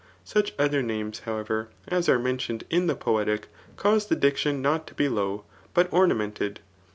Such other names, however, as are mentioned in the Poetic, cause the diction not to be low, but ornamented.